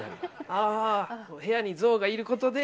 部屋に象がいることで。